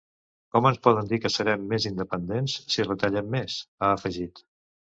Com ens poden dir que serem més independents si retallem més?, ha afegit.